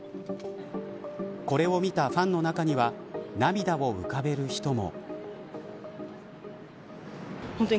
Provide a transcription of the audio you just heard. これを見たファンの中には涙を浮かべる人も。